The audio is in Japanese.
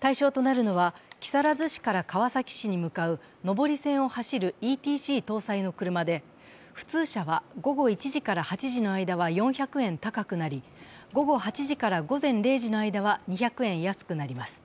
対象となるのは、木更津市から川崎に向かう上り線を走るＥＴＣ搭載の車で、普通車は午後１時から８時の間は４００円高くなり、午後８時から午前０時の間は２００円安くなります。